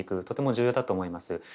とても重要だと思います。